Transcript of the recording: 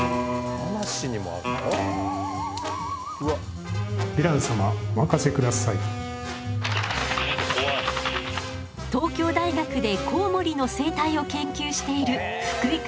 東京大学でコウモリの生態を研究している福井くんよ。